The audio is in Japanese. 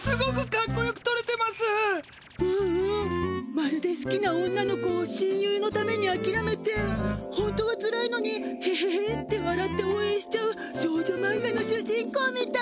まるですきな女の子を親友のためにあきらめて本当はつらいのに「ヘヘヘッ」てわらっておうえんしちゃう少女マンガの主人公みたい。